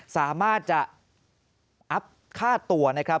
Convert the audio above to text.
สามารถจะอัพค่าตัวนะครับ